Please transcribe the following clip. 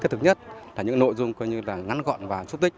thực nhất là những nội dung coi như là ngắn gọn và xúc tích